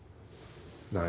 何？